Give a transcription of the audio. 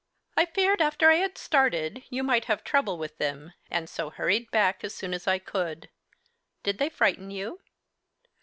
I feared, after I had started, you might have trouble with them, and so hurried back as soon as I could. Did they frighten you?"